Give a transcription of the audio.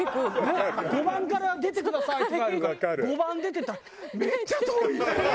「５番から出てください」って書いてあるから５番出ていったらめっちゃ遠い！